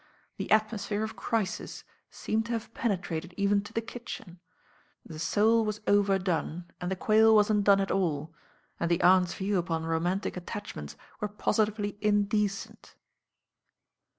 The atmosphere of crisit leemed to have penetrated even to the kitchen. The sole wat over done and the quail wain't done at all, and the Aunt'a views upon romantic attachments i^sre positively in decent.'